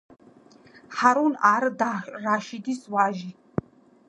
ჰარუნ არ-რაშიდის ვაჟი.